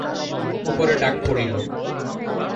উপরে ডাক পড়িল।